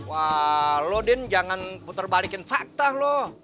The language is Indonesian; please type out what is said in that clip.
wah lo din jangan putar balikin fakta loh